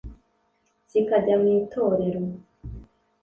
Zikajya mu itorero